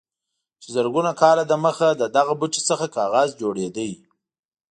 چې زرګونه کاله دمخه له دغه بوټي څخه کاغذ جوړېده.